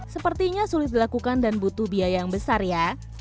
sepertinya sulit dilakukan dan butuh biaya yang besar ya